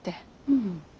うん。